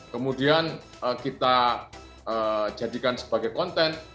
kemudian kita jadikan sebagai konten